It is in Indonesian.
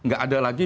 gak ada lagi